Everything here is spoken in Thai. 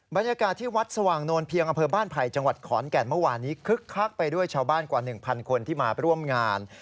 บรรยากาศที่วัดสว่างโนนเพียงอำเภอบ้านไผ่จังหวัดขอนแก่นเมื่อวานนี้คึกคักไปด้วยชาวบ้านกว่า๑๐๐คนที่มาร่วมงาน